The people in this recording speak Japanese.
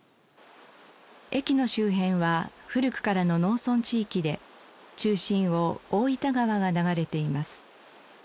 駅の周辺は古くからの農村地域で中心を大分川が流れています。